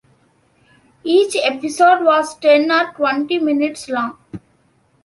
Each episode was ten or twenty minutes long.